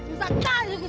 susahkan suku seroda ini